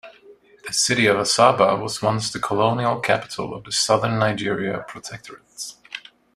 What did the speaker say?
The city of Asaba was once the colonial capital of the Southern Nigeria Protectorate.